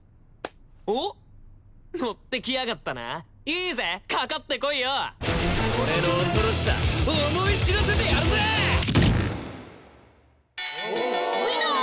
おっ乗ってきやがったないいぜかかってこいよ俺の恐ろしさ思い知らせてやるぜＷｉｎｎｅｒ！